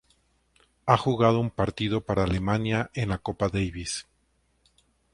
Ha jugado un partido para Alemania en la Copa Davis.